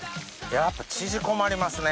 やっぱ縮こまりますね。